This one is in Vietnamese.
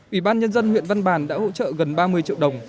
ủy ban nhân dân huyện văn bàn đã hỗ trợ gần ba mươi triệu đồng